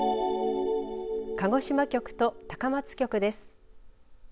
鹿児島局と高松局です。